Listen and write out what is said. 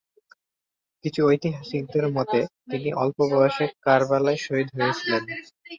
কিছু ঐতিহাসিকদের মতে তিনি অল্প বয়সে কারবালায় শহীদ হয়েছিলেন।